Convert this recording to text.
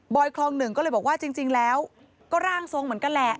คลองหนึ่งก็เลยบอกว่าจริงแล้วก็ร่างทรงเหมือนกันแหละ